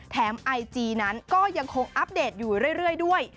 ไอจีนั้นก็ยังคงอัปเดตอยู่เรื่อยด้วย